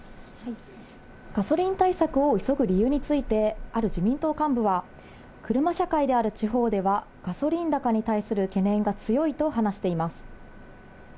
ガソリン対策を急ぐ理由について、ある自民党幹部は、車社会である地方ではガソリン高に対する懸念が強いと話しています。